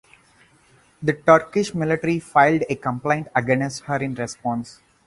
The Turkish military filed a complaint against her in response.